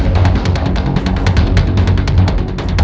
sebagai pembawa ke dunia